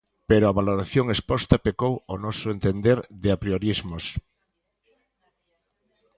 Pero a valoración exposta pecou, ao noso entender, de apriorismos.